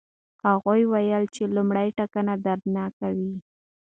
هغه وویل چې لومړی ټکان دردناک وي.